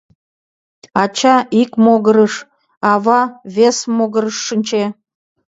Ача ик могырыш, ава вес могырыш шинче.